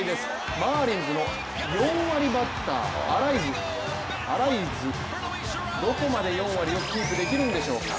マーリンズの４割バッターアライズ、どこまで４割をキープできるんでしょうか。